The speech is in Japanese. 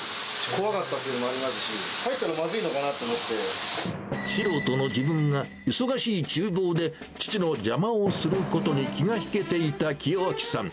怖かったというのもありますし、素人の自分が、忙しいちゅう房で父の邪魔をすることに気が引けていた清照さん。